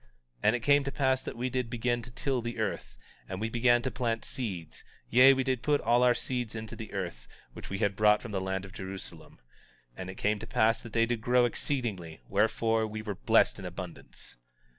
18:24 And it came to pass that we did begin to till the earth, and we began to plant seeds; yea, we did put all our seeds into the earth, which we had brought from the land of Jerusalem. And it came to pass that they did grow exceedingly; wherefore, we were blessed in abundance.